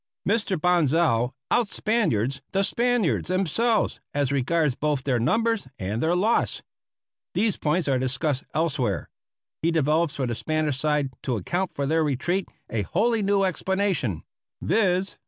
Mr. Bonsal out Spaniards the Spaniards themselves as regards both their numbers and their loss. These points are discussed elsewhere. He develops for the Spanish side, to account for their retreat, a wholly new explanation viz.